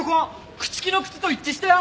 朽木の靴と一致したよ！